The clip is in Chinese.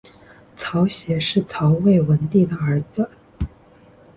曹协是曹魏文帝儿子。